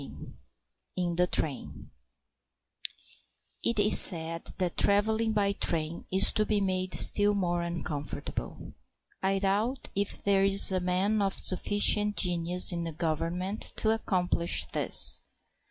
XIV IN THE TRAIN It is said that travelling by train is to be made still more uncomfortable. I doubt if there is a man of sufficient genius in the Government to accomplish this.